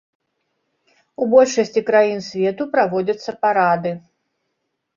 У большасці краін свету праводзяцца парады.